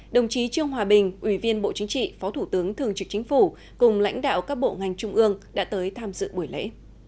đồng chí trương hòa bình ủy viên bộ chính trị phó thủ tướng thường trực chính phủ cùng lãnh đạo các bộ ngành trung ương đã tới tham dự buổi lễ